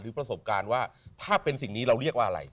ประสบการณ์ว่าถ้าเป็นสิ่งนี้เราเรียกว่าอะไร